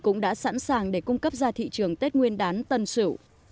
cũng đã sẵn sàng để cung cấp ra thị trường tết nguyên đán tân sự